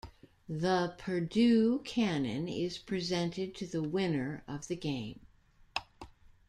The Purdue Cannon is presented to the winner of the game.